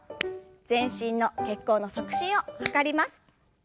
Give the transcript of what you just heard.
全身の血行の促進を図ります。